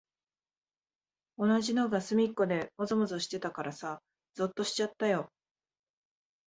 同じのがすみっこでもぞもぞしてたからさ、ぞっとしちゃったよ。